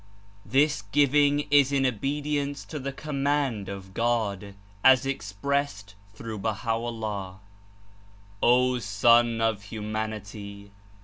This giving is in obedience to the command of God as ex pressed through Baha'o'llah: 'V Son of Human ity!